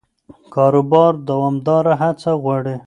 کاروبار دوامداره هڅه غواړي.